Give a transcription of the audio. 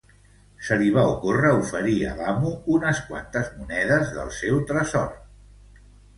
Se li va ocórrer oferir al amo unes quantes monedes del seu tresor